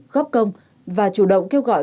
góp công và chủ động kêu gọi